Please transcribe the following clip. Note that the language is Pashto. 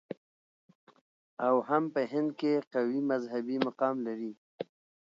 او هم په هند کې قوي مذهبي مقام لري.